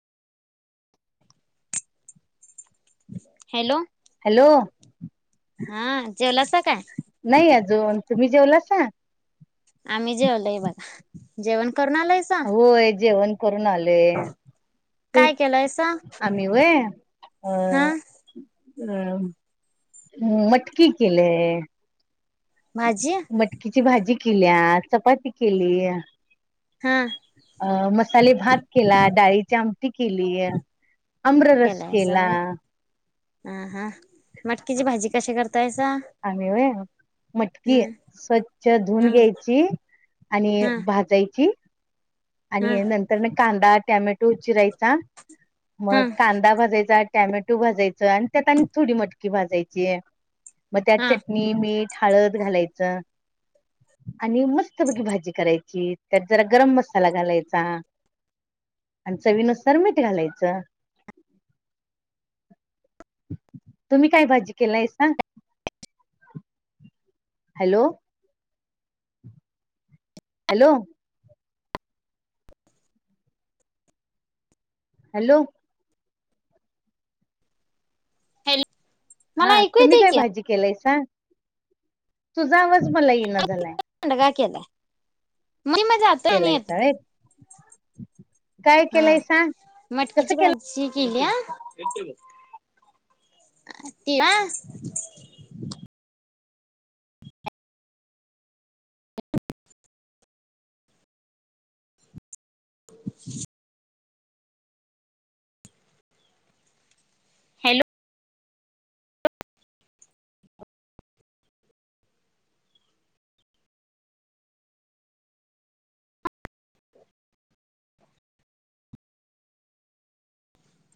Hello. Hello. हा जेवलासा काय? नाही अजून. तुम्ही जेवलासा? आम्ही जेवलय बघा. जेवण करून आलायसा [unintelligible] जेवण करून आले ते काय केलायसा आम्ही व्हय अ हा अम मटकी केलेय. भाजी मटकीची भाजी. किल्या, चपाती केली. हा अ मसाले भात केला, डाळीची आमटी केली, आम्ररस केलायसा केला. व्हय हा हा मटकीची भाजी कशी करत आमी व्हय. मटकी हम्म स्वच्छ धुन हम्म घ्यायची आणि हम्म भाजायची. आणि हम्म नंतर म कांदा टॅमॅटो चिरायचा, मग हम्म कांदा भरे जात टॅमॅटो भाजायच आणि त्यात आणि थोडी मटकी भाजायचीये. मग त्यात हा चटणी मीठ हाळद घालायचं आणि मस्त पैकी भाजी करायची त्यात जरा गरम म साला घालायचा आणि चवीनुसार मीठ घालायच. तुम्ही काय भाजी केलायसा? हॅलो. हॅलो. हॅलो. हॅल हा तुम्ही काय भाजी केलायस? हा, तुझा आवाज मला येईना झालाय. ला [unintelligible] मैं म जाते आणि येत, केलायसा व्हय काय हा केलायसा कसं मटकीची केलाय भाजी केली. या, [unintelligible] [inaudible] हॅलो.